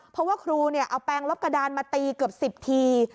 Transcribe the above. เพราะว่าครูเอาแปลงลบกระดานมาตีเกือบ๑๐ที